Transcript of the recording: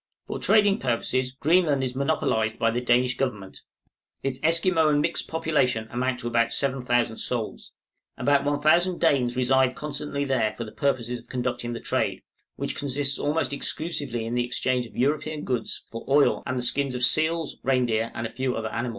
For trading purposes Greenland is monopolized by the Danish government; its Esquimaux and mixed population amount to about 7000 souls. About 1000 Danes reside constantly there for the purpose of conducting the trade, which consists almost exclusively in the exchange of European goods for oil and the skins of seals, reindeer, and a few other animals.